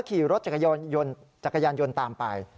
ขี่รถจักรยานยนต์ตามไป